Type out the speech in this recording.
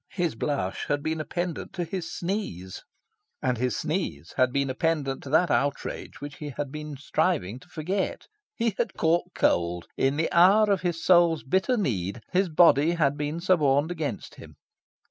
His blush had been a pendant to his sneeze. And his sneeze had been a pendant to that outrage which he had been striving to forget. He had caught cold. He had caught cold. In the hour of his soul's bitter need, his body had been suborned against him.